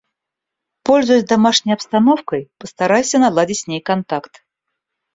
Пользуясь домашней обстановкой, постарайся наладить с ней контакт.